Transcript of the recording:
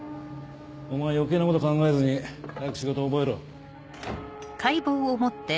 お前余計なこと考えずに早く仕事を覚えろ。